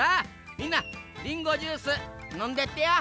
みんなリンゴジュースのんでってや。